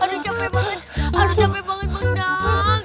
aduh capek banget aduh capek banget bangdang